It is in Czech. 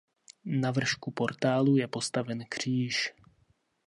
Na vršku portálu je postaven kříž.